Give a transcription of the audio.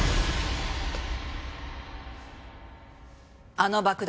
あの爆弾